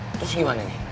terus gimana nih